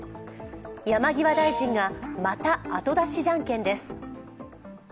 山際大臣がまた後出しじゃんけんです。